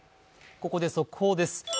ここで速報です。